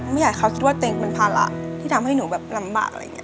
ไม่อยากให้เขาคิดว่าตัวเองเป็นภาระที่ทำให้หนูแบบลำบากอะไรอย่างนี้